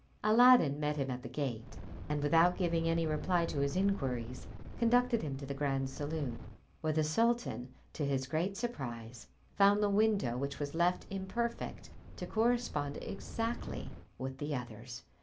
Aladdin met him at the gate, and without giving any reply to his inquiries conducted him to the grand saloon, where the sultan, to his great surprise, found the window, which was left imperfect, to correspond exactly with the others.